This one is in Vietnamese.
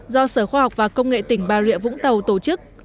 do sở khoa học và công nghệ tỉnh bà rịa vũng tàu tổ chức